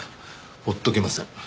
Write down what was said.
放っとけません。